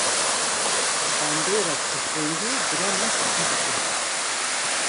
bandora tûfrengiyê diranan spî dike.